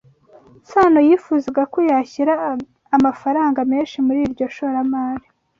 Sano yifuzaga ko yashyira amafaranga menshi muri iryo shoramari.